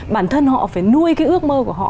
bản thân họ phải nuôi cái ước mơ của họ